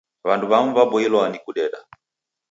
W'andu w'amu w'aboilwaa ni kudeda.